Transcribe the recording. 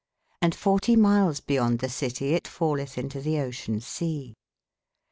Hnd f ortie my les beyonde tbe citie it f al letb into tbe ocean sea.